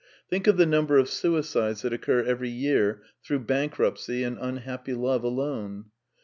Think of the number of suicides that occur every year through bankruptcy and unhappy love alone.